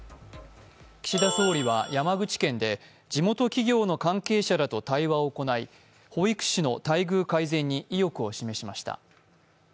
岸田総理は山口県で地元企業の関係者らと対話を行い保育士の待遇改善に意欲を示しました。